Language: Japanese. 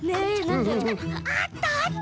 あったあった！